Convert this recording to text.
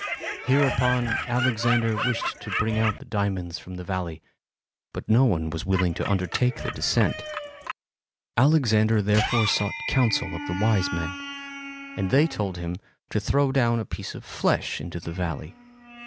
Hereupon, Alexander wished to bring out the diamonds from the valley, but no one was willing to undertake the descent. Alexander therefore sought counsel of the wise men, and they told him to throw down a piece of flesh into the valley.